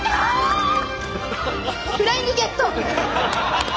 フライングゲット！